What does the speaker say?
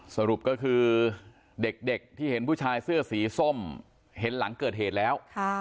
สรุปก็คือเด็กที่เห็นผู้ชายเสื้อสีส้มเห็นหลังเกิดเหตุแล้ว